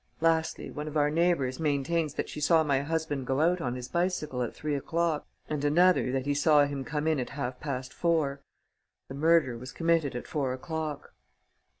Lastly, one of our neighbours maintains that he saw my husband go out on his bicycle at three o'clock and another that he saw him come in at half past four. The murder was committed at four o'clock."